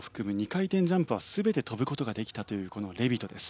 ２回転ジャンプは全て跳ぶ事ができたというこのレビトです。